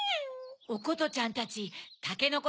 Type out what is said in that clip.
「おことちゃんたちたけのこ